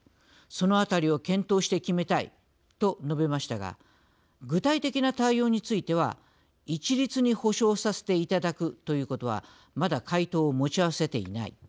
そのあたりを検討して決めたいと述べましたが具体的な対応については一律に補償させていただくということはまだ回答を持ち合わせていない。